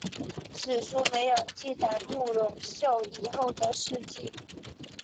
史书没有记载慕容秀以后的事迹。